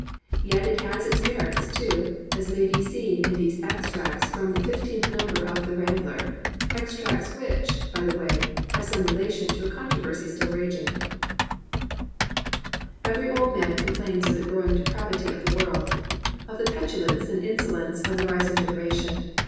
Yet it has its merits too, as may be seen in these extracts from the fiftieth number of The Rambler, — extracts which, by the way, have some relation to a controversy still raging: "Every old man complains of the growing de pravity of the world, of the petulance and insolence of the rising generation.